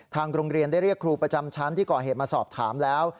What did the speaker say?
โรงเรียนได้เรียกครูประจำชั้นที่ก่อเหตุมาสอบถามแล้ว